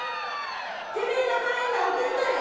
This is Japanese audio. てめえ名前何てんだい？」。